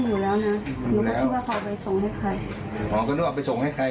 หรือว่าเขาเอาไปส่งให้ใคร